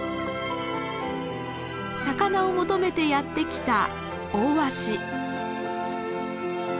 魚を求めてやって来たオオワシ。